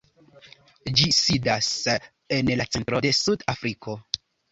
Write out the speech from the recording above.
Ĝi sidas en la centro de Sud-Afriko.